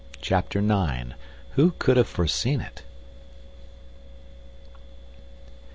CHAPTER IX "Who could have Foreseen it?"